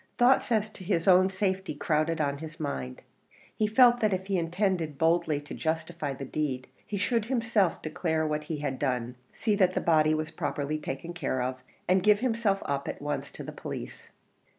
Thoughts as to his own safety crowded on his mind; he felt that if he intended boldly to justify the deed, he should himself declare what he had done see that the body was properly taken care of and give himself up at once to the police.